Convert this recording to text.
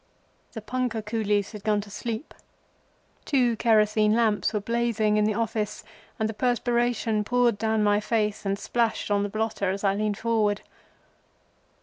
The punkah coolies had gone to sleep. Two kerosene lamps were blazing in the office, and the perspiration poured down my face and splashed on the blotter as I leaned forward.